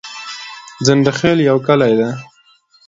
ځنډيخيل يو کلي ده